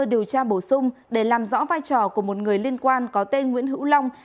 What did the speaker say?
điều tra bổ sung để làm rõ vai trò của một người liên quan có tên nguyễn hữu long